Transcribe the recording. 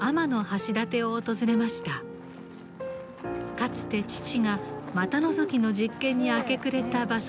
かつて父が股のぞきの実験に明け暮れた場所です。